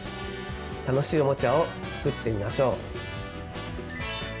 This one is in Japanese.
楽しいおもちゃを作ってみましょう！